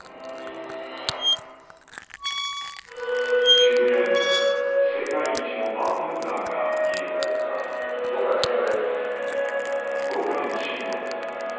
渋谷に世界一のバーテンダーがいる後閑信吾です。